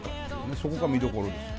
そこが見どころですよ。